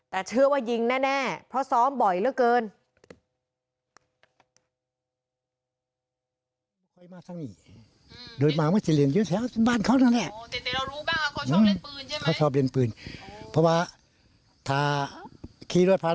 แต่เชื่อว่ายิงแน่เพราะซ้อมบ่อยเหลือเกิน